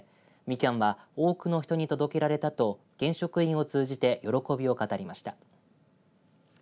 きゃんは多くの人に届けられたと県職員を通じて喜びを語りました。